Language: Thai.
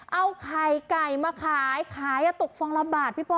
เอาไข่ไก่มาขายขายตกฟองละบาทพี่ป้อ